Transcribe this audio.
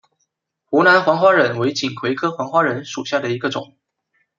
湖南黄花稔为锦葵科黄花稔属下的一个种。